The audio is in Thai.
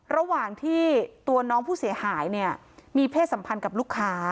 ระหว่างที่ตัวน้องผู้เสียหายเนี่ยมีเพศสัมพันธ์กับลูกค้า